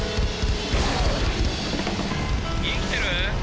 生きてる？